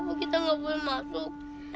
gak ada yang mau masuk